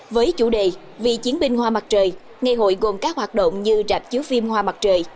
với chủ đề vì chiến binh hoa mặt trời ngày hội gồm các hoạt động như rạp chiếu phim hoa mặt trời